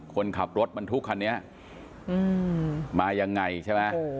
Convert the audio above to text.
คนขับรถบรรทุกคันนี้มายังไงใช่ไหม